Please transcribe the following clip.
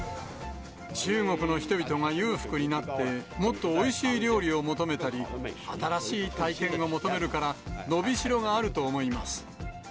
中国の人々が裕福になって、もっとおいしい料理を求めたり、新しい体験を求めるから、伸びしろがあると思います。